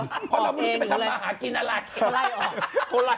เพราะเราไม่รู้จะไปทำมาหากินอะไรออก